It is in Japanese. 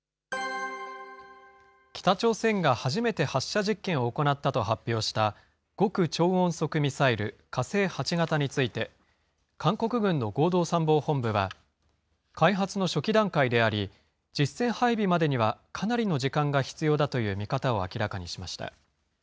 北朝鮮が初めて発射実験を行ったと発表した、極超音速ミサイル、火星８型について、韓国軍の合同参謀本部は、開発の初期段階であり、実戦配備までにはかなりの時間が必要だという見方を明らかにしました。